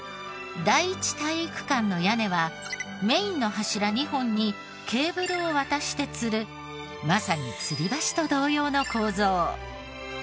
第一体育館の屋根はメインの柱２本にケーブルを渡して吊るまさに吊り橋と同様の構造。